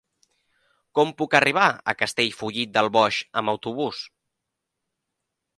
Com puc arribar a Castellfollit del Boix amb autobús?